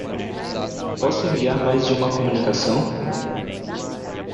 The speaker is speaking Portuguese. Posso enviar mais de uma comunicação?